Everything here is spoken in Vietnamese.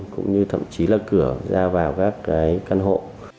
cũng như thậm chí là cửa ra vào các cái căn hộ